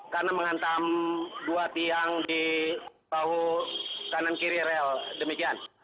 karena mengantam dua tiang di bahu kanan kiri rel demikian